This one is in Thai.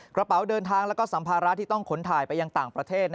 กระเป๋าเดินทางแล้วก็สัมภาระที่ต้องขนถ่ายไปยังต่างประเทศ